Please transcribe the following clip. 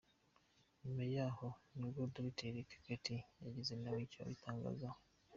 Nyuma yaho nibwo Dr Eric Corty yagize nawe icyo abitangazaho.